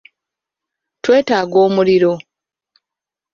Twetaaga omuliro.